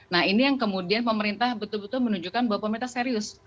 nah ini yang kemudian pemerintah betul betul menunjukkan bahwa pemerintah serius